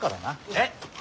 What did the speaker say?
えっ！？